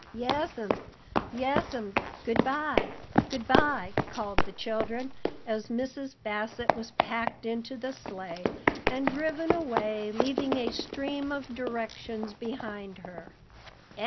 "Yes'm, yes'm good bye, good bye!" called the children, as Mrs. Bassett was packed into the sleigh and driven away, leaving a stream of directions behind her.